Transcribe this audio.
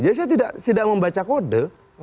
jadi saya tidak membaca kode